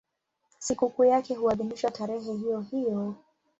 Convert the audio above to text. Sikukuu yake huadhimishwa tarehe hiyohiyo.